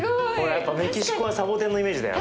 やっぱりメキシコはサボテンのイメージだよ。